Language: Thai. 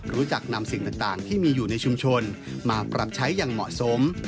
นำสิ่งต่างที่มีอยู่ในชุมชนมาปรับใช้อย่างเหมาะสม